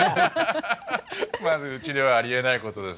まず、うちではあり得ないことです。